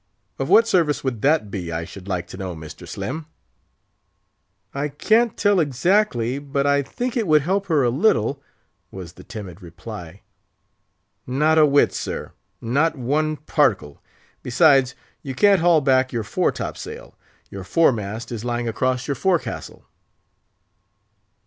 of what service would that be, I should like to know, Mr. Slim?" "I can't tell exactly; but I think it would help her a little," was the timid reply. "Not a whit, sir—not one particle; besides, you can't haul back your fore top sail—your fore mast is lying across your forecastle."